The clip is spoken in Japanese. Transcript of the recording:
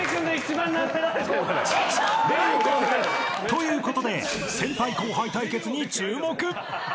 ［ということで先輩・後輩対決に注目！］